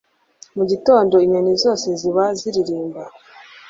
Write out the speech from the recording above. mu gitondo inyoni zose ziba ziririmba